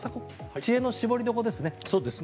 知恵の絞りどころですね。